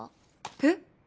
えっ？